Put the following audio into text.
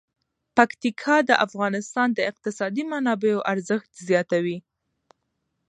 پکتیکا د افغانستان د اقتصادي منابعو ارزښت زیاتوي.